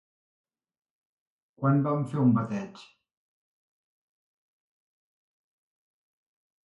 Quan van fer un bateig?